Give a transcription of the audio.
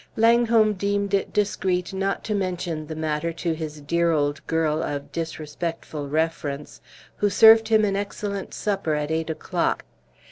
Langholm deemed it discreet not to mention the matter to his dear "old girl" of disrespectful reference, who served him an excellent supper at eight o'clock.